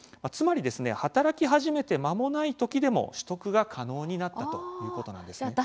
つまり働き始めてまもないときでも、取得が可能になったということなんです。